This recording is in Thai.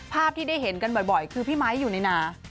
ภาพที่ได้เห็นกันบ่อยคือพี่ไมค์อยู่ในนา